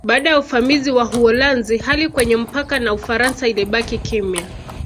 Baada ya uvamizi wa Uholanzi hali kwenye mpaka na Ufaransa ilibaki kimya